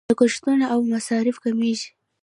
لګښتونه او مصارف کمیږي.